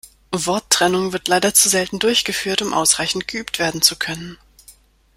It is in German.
Worttrennung wird leider zu selten durchgeführt, um ausreichend geübt werden zu können.